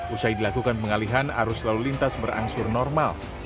usai dilakukan pengalihan arus lalu lintas berangsur normal